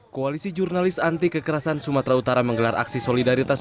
koalisi jurnalis anti kekerasan sumatera utara menggelar aksi solidaritas